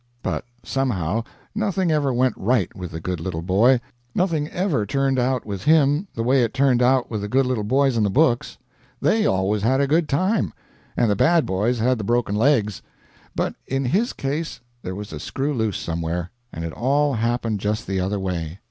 But somehow nothing ever went right with the good little boy; nothing ever turned out with him the way it turned out with the good little boys in the books. They always had a good time, and the bad boys had the broken legs; but in his case there was a screw loose somewhere, and it all happened just the other way.